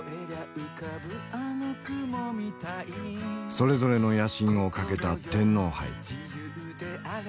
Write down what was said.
それぞれの野心をかけた天皇杯。